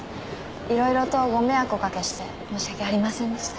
いろいろとご迷惑をおかけして申し訳ありませんでした。